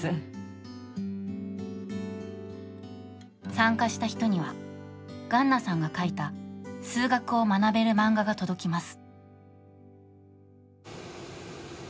参加した人には、ガンナさんが描いた数学を学べる漫画が届きます。